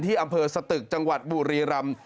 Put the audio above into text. อำเภอสตึกจังหวัดบุรีรำ